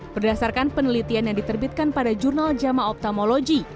berdasarkan penelitian yang diterbitkan pada jurnal jama optomologi